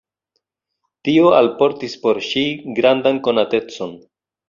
Tio alportis por ŝi grandan konatecon.